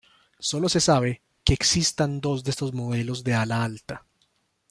Solo se sabe que existan dos de estos modelos de ala alta.